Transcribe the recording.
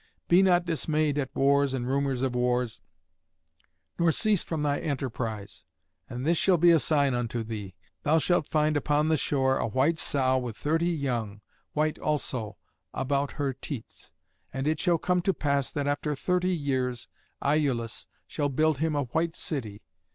Be not dismayed at wars and rumours of wars, nor cease from thy enterprise. And this shall be a sign unto thee. Thou shalt find upon the shore a white sow with thirty young, white also, about her teats. And it shall come to pass that after thirty years Iülus shall build him the White City.